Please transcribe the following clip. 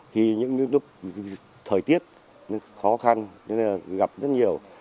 khi những lúc thời tiết khó khăn gặp rất nhiều